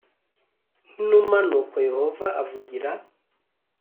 nk inuma nuko yehova avugira